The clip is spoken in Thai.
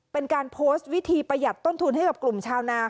เป็นการโพสต์วิธีประหยัดต้นทุนให้กับกลุ่มชาวนา